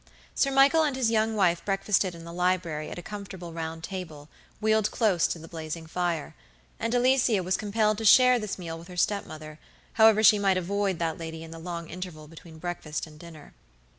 Sir Michael and his young wife breakfasted in the library at a comfortable round table, wheeled close to the blazing fire; and Alicia was compelled to share this meal with her step mother, however she might avoid that lady in the long interval between breakfast and dinner.